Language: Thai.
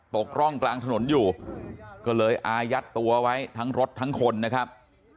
ตกร่องกลางถนนอยู่ก็เลยอายัดตัวไว้ทั้งรถทั้งคนนะครับ